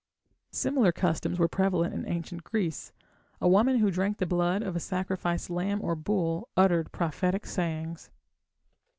Similar customs were prevalent in Ancient Greece. A woman who drank the blood of a sacrificed lamb or bull uttered prophetic sayings.